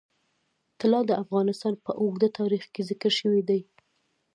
طلا د افغانستان په اوږده تاریخ کې ذکر شوی دی.